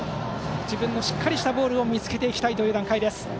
自分のしっかりしたボールを見つけていきたいという段階。